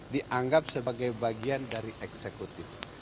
dianggap sebagai bagian dari eksekutif